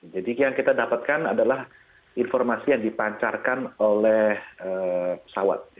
jadi yang kita dapatkan adalah informasi yang dipancarkan oleh pesawat